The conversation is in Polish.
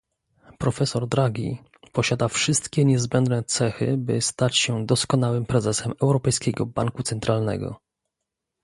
Profesor Draghi posiada wszystkie niezbędne cechy, by stać się doskonałym prezesem Europejskiego Banku Centralnego